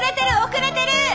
遅れてる！